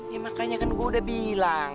ya makanya kan saya sudah bilang